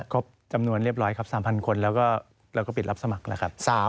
ครบจำนวนเรียบร้อยครับ๓๐๐คนแล้วก็เราก็ปิดรับสมัครแล้วครับ